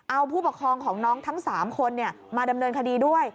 เอาผู้ปกครองของน้องทั้ง๓คนมาดำเนินคดีด้วย